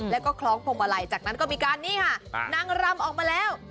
แล้วก็คล้องพวงมาลัยจากนั้นก็มีการนี่ค่ะนางรำออกมาแล้ว